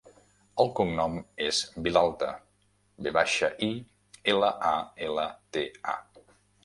El cognom és Vilalta: ve baixa, i, ela, a, ela, te, a.